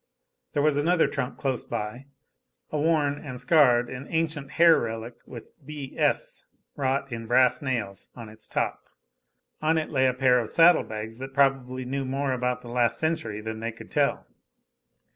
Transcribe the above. There was another trunk close by a worn, and scarred, and ancient hair relic, with "B. S." wrought in brass nails on its top; on it lay a pair of saddle bags that probably knew more about the last century than they could tell.